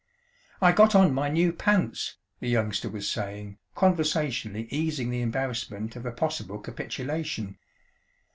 "I got on my new pants," the youngster was saying, conversationally easing the embarrassment of a possible capitulation.